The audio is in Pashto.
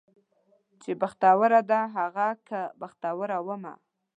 چې بختوره ده هغه که بختوره ومه